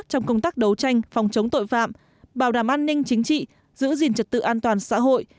trong công tác đấu tranh phòng chống tội phạm bảo đảm an ninh chính trị giữ gìn trật tự an toàn xã hội